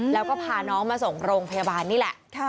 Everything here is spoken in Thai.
แล้วก็พาน้องมาส่งโรงพยาบาลนี่แหละ